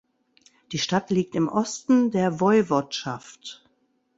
Die Stadt liegt im Osten der Woiwodschaft.